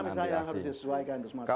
yang harus disesuaikan